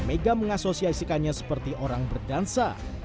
mega mengasosiasikannya seperti orang berdansa